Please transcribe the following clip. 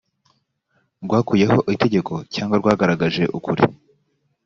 rwakuyeho itegeko cyangwa rwagaragaje ukuri‽